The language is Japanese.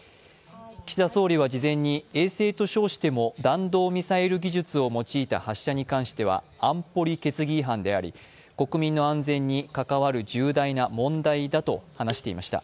岸田総理は事前に衛星と称しても弾道ミサイルとみられる発射に関しては安保理決議違反であり、国民の安全に関わる重大な問題だとしていました。